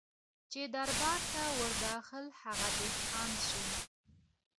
چي دربار ته ور داخل هغه دهقان سو